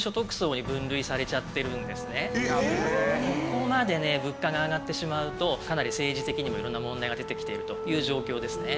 ここまでね物価が上がってしまうとかなり政治的にも色んな問題が出てきているという状況ですね。